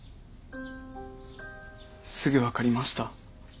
すぐ分かりました。